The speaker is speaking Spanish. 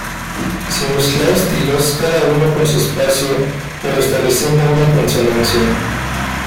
Sin mezclar estilos, cada uno con su espacio pero estableciendo una consonancia.